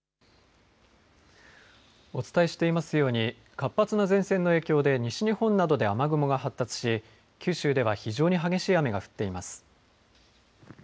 お伝えしていますように、活発な前線の影響で西日本などで雨雲が発達し、九州では非常に激しい雨が降っています。